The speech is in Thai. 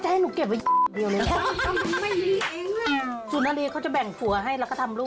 หัวเข้าไม่ใช่หัวเรา